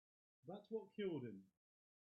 That's what killed him.